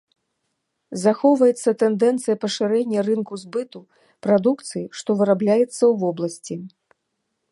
Захоўваецца тэндэнцыя пашырэння рынку збыту прадукцыі, што вырабляецца ў вобласці.